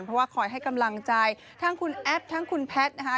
เพราะว่าคอยให้กำลังใจทั้งคุณแอฟทั้งคุณแพทย์นะคะ